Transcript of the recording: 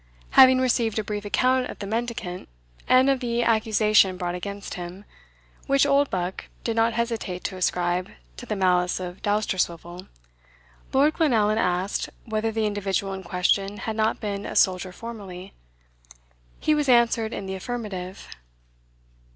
Having received a brief account of the mendicant, and of the accusation brought against him, which Oldbuck did not hesitate to ascribe to the malice of Dousterswivel, Lord Glenallan asked, whether the individual in question had not been a soldier formerly? He was answered in the affirmative.